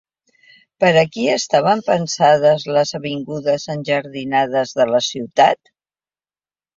Per a qui estaven pensades les avingudes enjardinades de la ciutat?